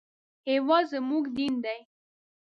هېواد زموږ دین دی